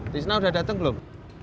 tisna udah dateng belum